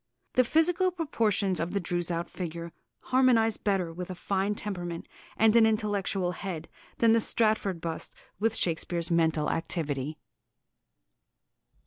"The physical proportions of the Droeshout figure harmonise better with a fine temperament and an intellectual head than the Stratford bust with Shakespeare's mental activity."